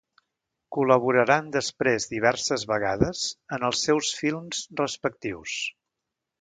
Col·laboraran després diverses vegades en els seus films respectius.